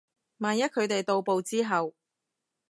萬一佢哋到埗之後